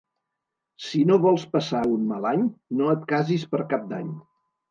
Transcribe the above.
Si no vols passar un mal any no et casis per Cap d'Any.